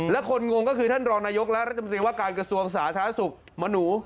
แต่คนงงก็คือท่านรองนายกและรัฐบิตรีว่าการกระทรวงศาสตร์ศาสตร์ศุกร์มาหนู